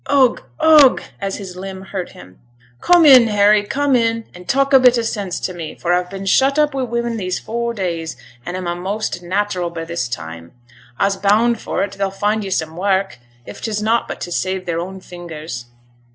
'Ugh! ugh!' as his limb hurt him. 'Come in, Harry, come in, and talk a bit o' sense to me, for a've been shut up wi' women these four days, and a'm a'most a nateral by this time. A'se bound for 't, they'll find yo' some wark, if 't's nought but for to save their own fingers.'